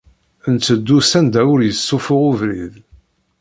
Nteddu s anda ur yessufuɣ ubrid.